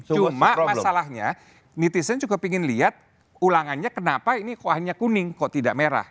cuma masalahnya netizen juga ingin lihat ulangannya kenapa ini wahnya kuning kok tidak merah